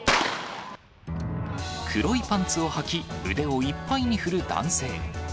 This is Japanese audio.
黒いパンツをはき、腕をいっぱいに振る男性。